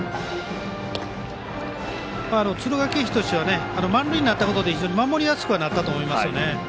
敦賀気比としては満塁になったことで非常に守りやすくはなったと思います。